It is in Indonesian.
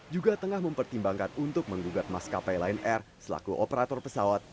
juga tengah mempertimbangkan untuk menggugat maskapai lion air selaku operator pesawat